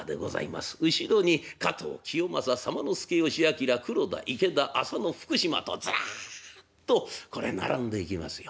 後ろに加藤清正左馬助嘉明黒田池田浅野福島とずらっとこれ並んでいきますよ。